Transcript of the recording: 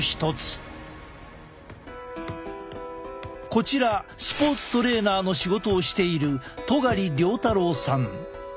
こちらスポーツトレーナーの仕事をしている戸苅遼太郎さん。